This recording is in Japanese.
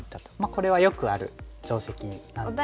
これはよくある定石なんですが。